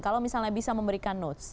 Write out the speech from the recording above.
kalau misalnya bisa memberikan notes